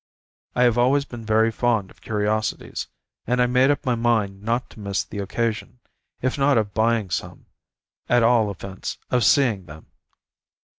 I have always been very fond of curiosities, and I made up my mind not to miss the occasion, if not of buying some, at all events of seeing them.